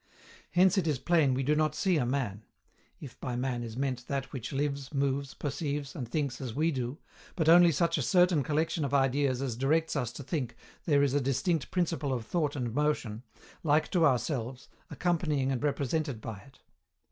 Hence it is plain we do not see a man if by man is meant that which lives, moves, perceives, and thinks as we do but only such a certain collection of ideas as directs us to think there is a distinct principle of thought and motion, like to ourselves, accompanying and represented by it.